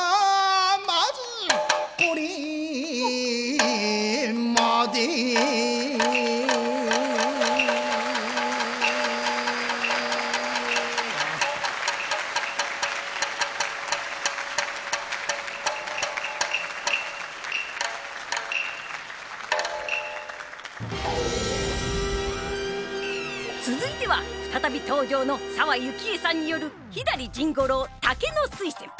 まずこれまで続いては再び登場の澤雪絵さんによる左甚五郎「竹の水仙」。